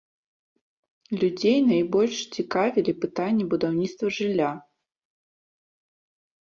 Людзей найбольш цікавілі пытанні будаўніцтва жылля.